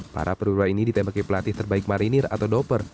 para perwira ini ditembaki pelatih terbaik marinir atau doper